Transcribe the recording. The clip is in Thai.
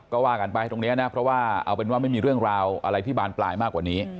ก็ว่ากันไปตรงนี้นะเพราะว่าเอาเป็นว่าไม่มีเรื่องราวอะไรที่บานปลายมากกว่านี้